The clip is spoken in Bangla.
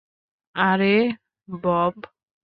আরে, বব!